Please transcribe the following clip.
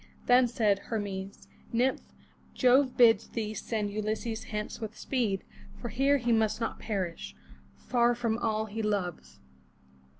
Then said Hermes: "Nymph, Jove bids thee send Ulysses hence with speed; for here he must not perish, far from all he loves.